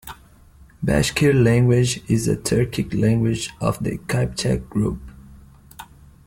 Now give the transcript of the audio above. Bashkir language is a Turkic language of the Kypchak group.